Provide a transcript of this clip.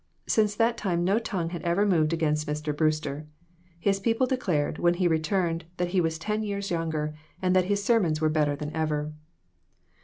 Since that time no tongue had ever moved against Mr. Brewster. His people declared, when he returned, that he was ten years younger, and that his sermons were better than ever.